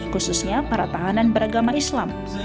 khususnya para tahanan beragama islam